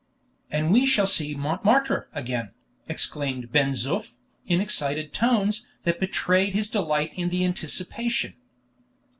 "And we shall see Montmartre again!" exclaimed Ben Zoof, in excited tones that betrayed his delight in the anticipation.